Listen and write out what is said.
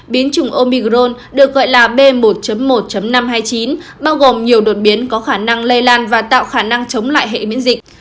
biến chủng omi gron được gọi là b một một năm trăm hai mươi chín bao gồm nhiều đột biến có khả năng lây lan và tạo khả năng chống lại hệ miễn dịch